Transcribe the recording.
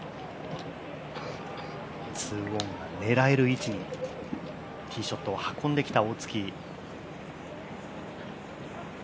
２オンが狙える位置にティーショットを運んできた大槻。